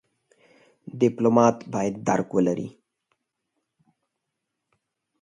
ډيپلومات بايد درک ولري.